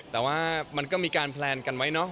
แต่ว่ามันก็มีการแพลนกันไว้เนาะ